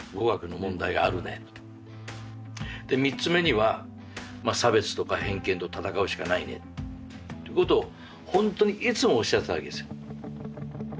で３つ目には差別とか偏見と闘うしかないねってことをほんとにいつもおっしゃってたわけですよ。